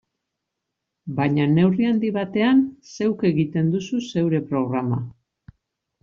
Baina neurri handi batean, zeuk egiten duzu zeure programa.